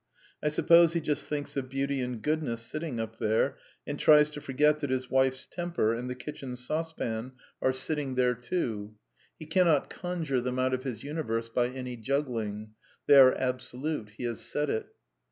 I suppose he just thinks of Beauty and Goodness sitting up there, and tries to forget that his wife's temper and the kitchen saucepan are sitting there. CONCLUSIONS 301 too. He cannot conjure them out of his universe by any juggling. They are absolute. He has said it.